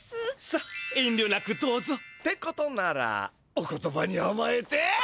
さっえんりょなくどうぞ。ってことならお言葉にあまえて。